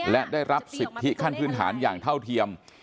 และได้รับสิทธิขั้นพื้นฐานอย่างเท่าเทียม